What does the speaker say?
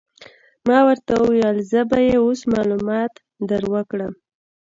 ما ورته وویل: زه به يې اوس معلومات در وکړم.